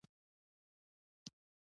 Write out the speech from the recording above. غوښې د افغان کلتور سره تړاو لري.